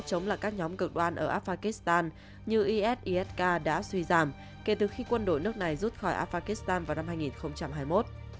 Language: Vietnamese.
chống lại các nhóm cực đoan ở afghanistan như is isk đã suy giảm kể từ khi quân đội nước này rút khỏi afghan vào năm hai nghìn hai mươi một